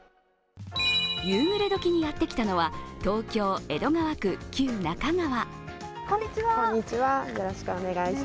夕暮れ時にやってきたのは、東京・江戸川区、旧中川。